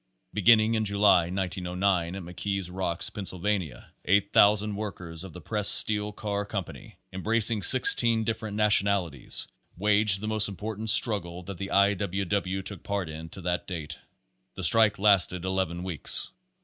Beginning in July, 1909, at McKees Rocks, Penn sylvania, 8,000 workers of the Pressed Steel Car Com pany, embracing sixteen different nationalities, waged the most important struggle that the I. W. W. took part in to that date. The strike lasted eleven weeks.